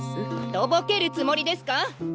とぼけるつもりですか？